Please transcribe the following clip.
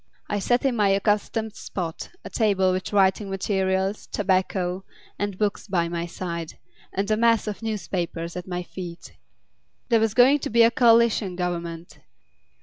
I sat in my accustomed spot, a table with writing materials, tobacco, and books by my side, and a mass of newspapers at my feet. There was going to be a coalition Government.